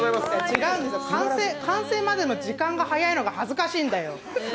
違うんですよ、完成までの時間が早いのが恥ずかしいんだよ。